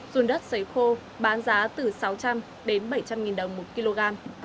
dùng đất xấy khô bán giá từ sáu trăm linh đến bảy trăm linh đồng một kg